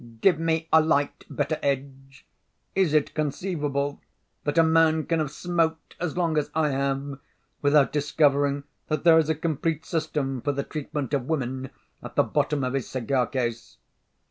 "Give me a light, Betteredge. Is it conceivable that a man can have smoked as long as I have without discovering that there is a complete system for the treatment of women at the bottom of his cigar case?